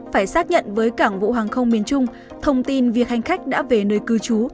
phải xác nhận với cảng vụ hàng không miền trung thông tin việc hành khách đã về nơi cư trú